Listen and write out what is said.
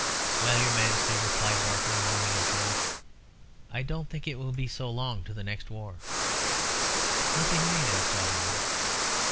"Well, your Majesty," replied Barker, lowering his voice, "I don't think it will be so long to the next war." "What do you mean?" asked Auberon.